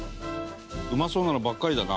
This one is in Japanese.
うまそうなのばっかりだな。